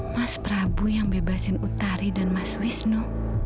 mas prabu yang bebasin utari dan mas wisnu